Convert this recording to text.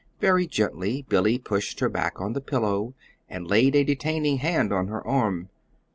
Very gently Billy pushed her back on the pillow and laid a detaining hand on her arm.